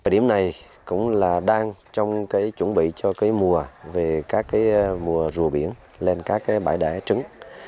điểm này cũng là đang trong chuẩn bị cho mùa về các mùa rùa biển lên các bãi đẻ trứng